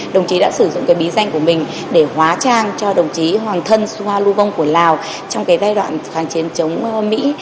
đồng chí đã sử dụng cái bí danh của mình để hóa trang cho đồng chí hoàng thân sua lu vông của lào trong cái giai đoạn kháng chiến chống mỹ